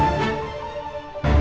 masih masih yakin